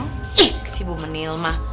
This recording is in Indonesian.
ih kasih bu menil mah